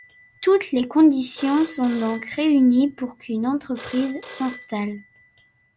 Toutes les conditions sont donc réunies pour qu’une entreprise s’installe.